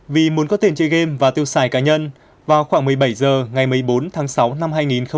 vì muốn có tiền chơi game và tiêu xài cá nhân vào khoảng một mươi bảy h ngày một mươi bốn tháng sáu năm hai nghìn hai mươi